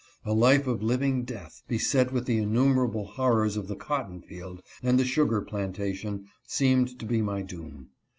A life of living death, beset with the innumerable horrors of the cotton field and the sugar plantation, seemed to be my doom.